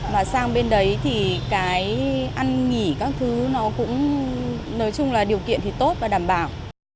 và sang bên đấy thì cái ăn nghỉ các thứ nó cũng nói chung là điều kiện thì tốt và đảm bảo